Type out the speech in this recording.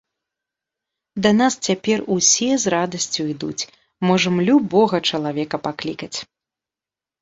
Да нас цяпер усе з радасцю ідуць, можам любога чалавека паклікаць.